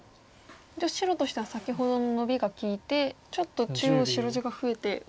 じゃあ白としては先ほどのノビが利いてちょっと中央白地が増えてうれしいという。